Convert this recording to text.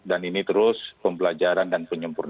dan ini terus pembelajaran dan penyelesaian